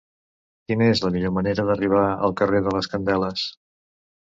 Quina és la millor manera d'arribar al carrer de les Candeles?